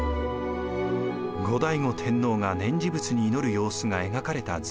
後醍醐天皇が念持仏に祈る様子が描かれた図。